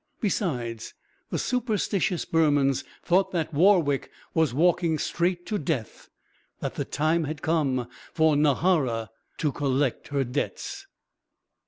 Besides, the superstitious Burmans thought that Warwick was walking straight to death that the time had come for Nahara to collect her debts.